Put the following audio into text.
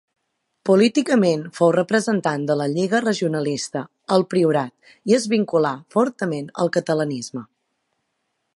Políticament fou representant de la Lliga Regionalista al Priorat i es vinculà fortament al catalanisme.